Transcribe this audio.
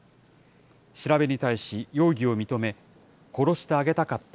調べに対し容疑を認め、殺してあげたかった。